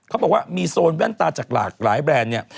เขาบอกว่ามีโซนแว่นตาจากหลากหลายแบรนด์เนี่ย